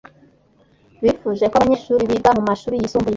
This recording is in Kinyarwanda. bifuje ko abanyeshuri biga mu mashuri yisumbuye